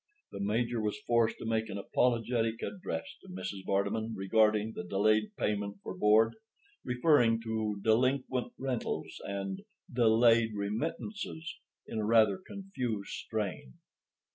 The Major was forced to make an apologetic address to Mrs. Vardeman regarding the delayed payment for board, referring to "delinquent rentals" and "delayed remittances" in a rather confused strain.